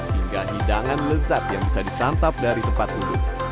hingga hidangan lezat yang bisa disantap dari tempat duduk